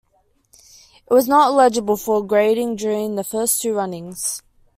It was not eligible for grading during the first two runnings.